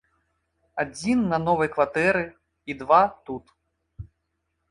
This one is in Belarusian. Адзін на новай кватэры і два тут.